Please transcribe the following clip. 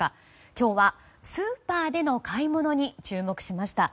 今日はスーパーでの買い物に注目しました。